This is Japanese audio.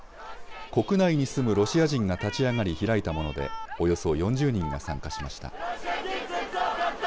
国内に住むロシア人が立ち上がり、開いたもので、およそ４０人が参加しました。